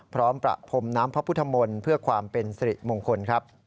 พร้อมประพมน้ำพระพุทธมนตร์เพื่อความเป็นศรีมงคล